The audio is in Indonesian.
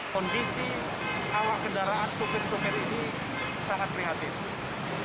kondisi alam kendaraan sopir truk ini sangat prihatin